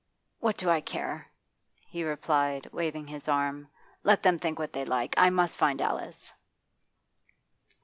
'What do I care?' he replied, waving his arm. 'Let them think what they like. I must find Alice.